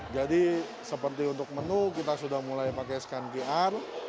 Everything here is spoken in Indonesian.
jadi seperti untuk menu kita sudah mulai pakai scan qr